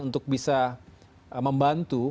untuk bisa membantu